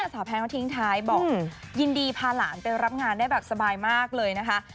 สาวแพงเขาทิ้งท้ายบอกยินดีพาหลานไปรับงานได้แบบสบายมากเลยนะคะ